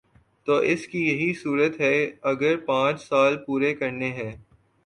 تو اس کی یہی صورت ہے اگر پانچ سال پورے کرنے ہیں۔